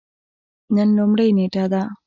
نن لومړۍ نیټه ده